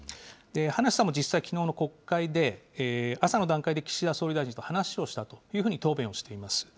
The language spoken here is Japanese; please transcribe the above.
葉梨さんも実際、きのうの国会で、朝の段階で岸田総理大臣と話をしたというふうに答弁をしています。